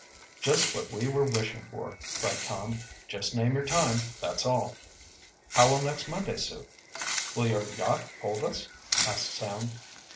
"Just what we were wishing for!" cried Tom. "Just name your time, that's all." "How will next Monday suit?" "Will your yacht hold us?" asked Sam.